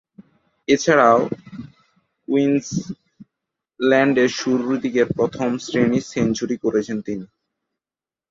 এছাড়াও, কুইন্সল্যান্ডের শুরুরদিকের প্রথম-শ্রেণীর সেঞ্চুরি করেছেন তিনি।